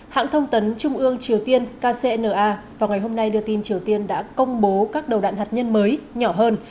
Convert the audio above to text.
hãng thông tấn trung ương triều tiên kcna vào ngày hôm nay đưa tin triều tiên đã công bố các đầu đạn hạt nhân mới nhỏ hơn